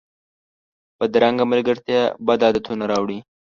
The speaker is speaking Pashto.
بدرنګه ملګرتیا بد عادتونه راوړي